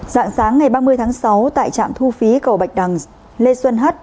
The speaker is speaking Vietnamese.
giảng sáng ngày ba mươi tháng sáu tại trạm thu phí cầu bạch đằng lê xuân hát